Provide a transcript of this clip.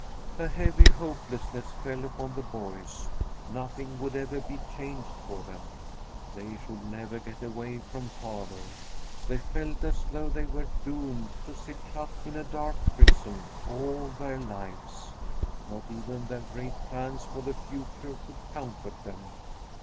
A heavy hopelessness fell upon the boys; nothing would ever be changed for them. They should never get away from father. They felt as though they were doomed to sit shut in a dark prison all their lives. Not even their great plans for the future could comfort them.